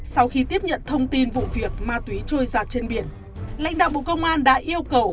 sau khi tiếp nhận thông tin vụ việc ma túy trôi giặt trên biển lãnh đạo bộ công an đã yêu cầu